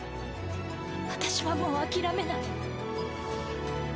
私はもう諦めない。